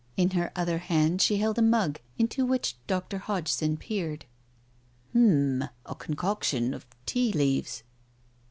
... In her other hand she held a mug, into which Dr. Hodgson peered. "H'm, a concoction of tea leaves.